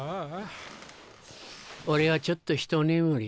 俺はちょっとひと眠り。